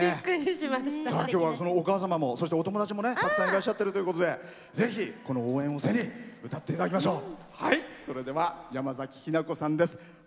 今日は、そのお母様もお友達もたくさんいらっしゃっているということでこの応援を背に歌っていただきましょう。